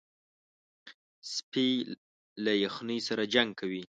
سپي له یخنۍ سره جنګ کوي.